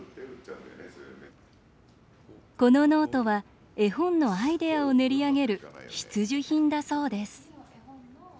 このノートは絵本のアイデアを練り上げる必需品だそうです